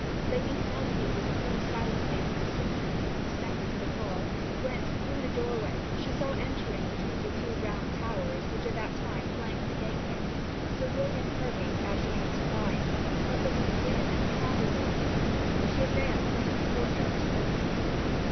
Lady Penelope withdrew silently from the sickroom, and descended to the hall, whence, through the doorway, she saw entering between the two round towers, which at that time flanked the gateway, Sir William Hervy, as she had surmised, but looking thin and travel worn. She advanced into the courtyard to meet him.